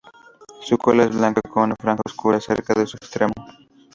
Su cola es blanca con una franja oscura cerca de su extremo.